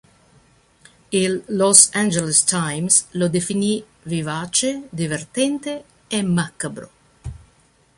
Il "Los Angeles Times" lo definì "vivace, divertente e macabro.